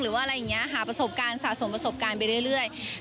หรือว่าอะไรอย่างนี้สาสมระประสบการณ์ไปเรื่อย